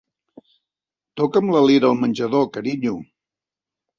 Toca'm la lira al menjador, carinyo.